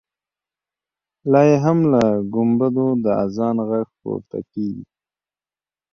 لا یې هم له ګمبدو د اذان غږ پورته کېږي.